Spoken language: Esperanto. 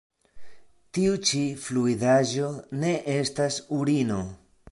Tiu ĉi fluidaĵo ne estas urino.